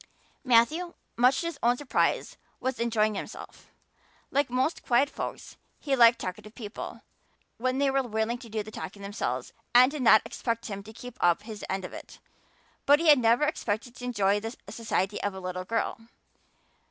Matthew, much to his own surprise, was enjoying himself. Like most quiet folks he liked talkative people when they were willing to do the talking themselves and did not expect him to keep up his end of it. But he had never expected to enjoy the society of a little girl.